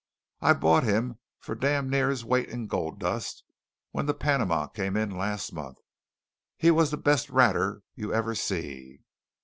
I bought him for damn near his weight in gold dust when the Panama came in last month. He was the best ratter you ever see.